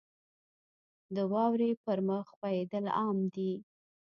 • د واورې پر مخ ښویېدل عام دي.